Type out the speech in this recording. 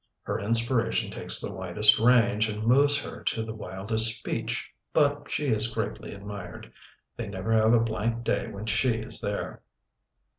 Her inspiration takes the widest range, and moves her to the wildest speech; but she is greatly admired. They never have a blank day when she is there."